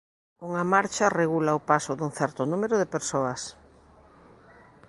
Unha marcha regula o paso dun certo número de persoas.